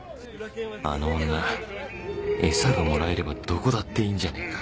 あの女エサがもらえればどこだっていいんじゃねえか